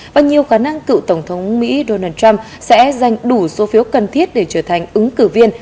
và nhiều khả năng cựu tổng thống mỹ donald trump sẽ giành đủ số phiếu cần thiết để trở thành ứng cử viên